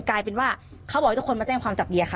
กลายเป็นว่าเขาบอกให้ทุกคนมาแจ้งความจับเดียค่ะ